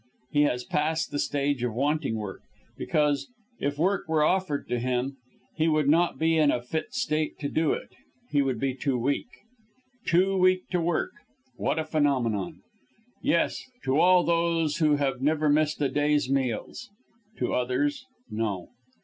He has passed the stage of wanting work, because, if work were offered to him, he would not be in a fit state to do it he would be too weak. Too weak to work! What a phenomenon! Yes to all those who have never missed a day's meals. To others no!